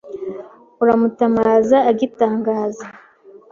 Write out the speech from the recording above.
Uramutamaza agitangaza !